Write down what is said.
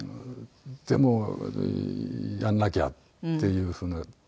でもやんなきゃっていう風な事で。